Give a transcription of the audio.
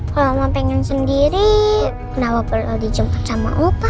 kalau oma pengen sendiri kenapa perlu dijemput sama opa